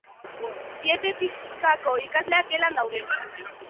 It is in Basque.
Dietetikako ikasleak gelan gaude.